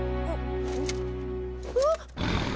あっ。